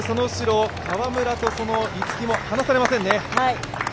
その後ろ、川村と逸木も話されませんね。